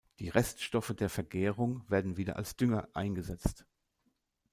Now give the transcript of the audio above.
Die Reststoffe der Vergärung werden wieder als Dünger eingesetzt.